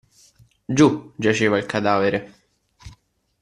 Giù, giaceva il cadavere.